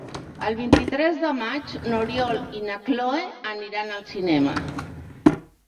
El vint-i-tres de maig n'Oriol i na Cloè aniran al cinema.